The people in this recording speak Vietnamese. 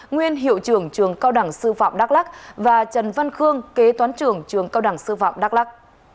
nguyên hiệu trưởng trường cao đẳng sư phạm đắk lắc và trần văn khương kế toán trưởng trường cao đẳng sư phạm đắk lắc